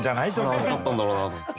瓦熱かったんだろうなと思って。